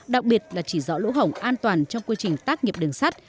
đặc biệt là chỉ dõi lỗ hổng an toàn trong quy trình tác nghiệp đường sắt